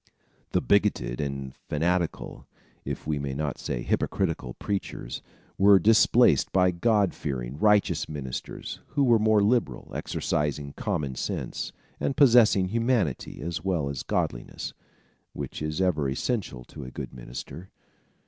The bigoted and fanatical, if we may not say hypocritical preachers, were displaced by God fearing, righteous ministers, who were more liberal, exercising common sense, and possessing humanity as well as godliness, which is ever essential to a good minister.